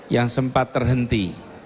yang sempat terhenti